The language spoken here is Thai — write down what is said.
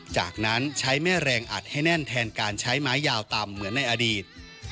จากนั้นใช้แม่แรงอัดให้แน่นแทนการใช้ไม้ยาวต่ำเหมือนในอดีต